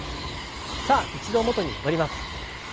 さあ一度元に戻ります。